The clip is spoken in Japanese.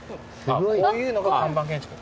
・こういうのが看板建築。